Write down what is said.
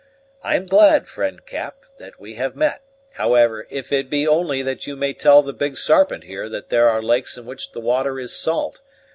I am glad, friend Cap, that we have met, however, if it be only that you may tell the Big Sarpent here that there are lakes in which the water is salt.